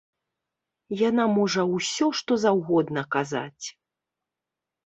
Яна можа ўсё што заўгодна казаць.